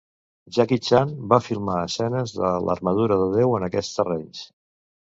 Jackie Chan va filmar escenes de l'"Armadura de Déu" en aquests terrenys.